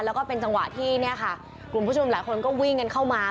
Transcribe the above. แล้วก็เป็นจังหวะที่เนี่ยค่ะกลุ่มผู้ชมหลายคนก็วิ่งกันเข้ามา